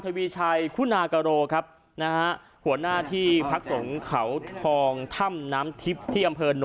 ทวีชัยคุณากะโรครับนะฮะหัวหน้าที่พักสงเขาทองถ้ำน้ำทิพย์ที่อำเภอโน